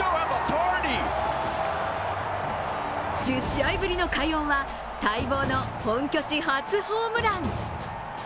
１０試合ぶりの快音は待望の本拠地初ホームラン。